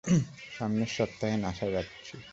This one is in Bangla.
সামনের সপ্তাহে নাসা যাচ্ছি।